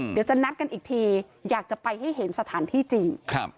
เดี๋ยวจะนัดกันอีกทีอยากจะไปให้เห็นสถานที่จริง